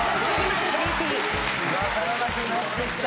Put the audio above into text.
分からなくなってきた。